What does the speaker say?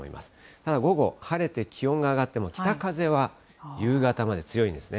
ただ、午後、晴れて気温が上がっても北風は夕方まで強いんですね。